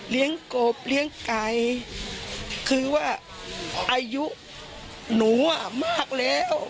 กบเลี้ยงไก่คือว่าอายุหนูอ่ะมากแล้ว